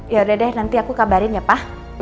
yaudah deh nanti aku kabarin ya pak